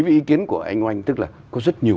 với ý kiến của anh oanh tức là có rất nhiều